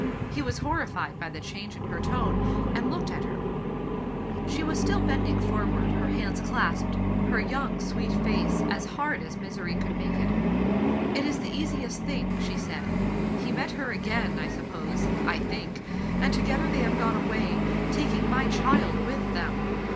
He was horrified by the change in her tone, and looked at her. She was still bending forward, her hands clasped, her young, sweet fage s^s hc^rcj as misery could mak^ Digitized by Google 1 84 THE FATE OF FEN ELLA. it. It is the easiest thing/' she said. He met her again, I suppose — I think, and together they have gone away, taking my child with them.